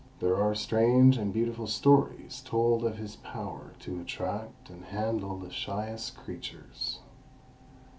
There are strange and beautiful stories told of his power to attract and handle the shyest creatures.